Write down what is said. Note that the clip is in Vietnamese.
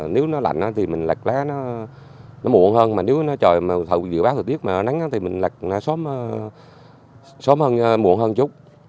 nếu nó lạnh thì mình lạc lá nó muộn hơn nếu nó trời dự báo thời tiết mà nắng thì mình lạc lá sớm muộn hơn chút